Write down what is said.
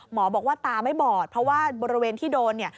หมอบอกว่าตาไม่บอดเพราะว่าระเวณที่โดน